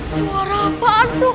suara apaan tuh